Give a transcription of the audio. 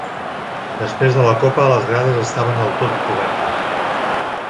Després de la copa, les grades estaven del tot cobertes.